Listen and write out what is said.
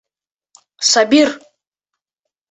Сабир